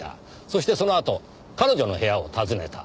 そしてそのあと彼女の部屋を訪ねた。